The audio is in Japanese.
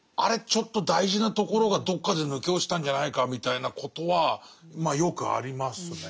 ちょっと大事なところがどっかで抜け落ちたんじゃないかみたいなことはまあよくありますね。